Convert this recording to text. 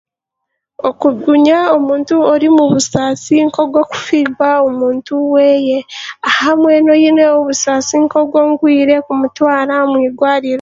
Okugumya omuntu ori mubusaasi nk'orwokuferwa omuntu weeye hamwe n'oyine obusaasi nkobworwaire kumutwara omu eirwariro.